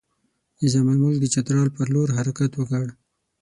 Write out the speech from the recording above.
نظام الملک د چترال پر لور حرکت وکړ.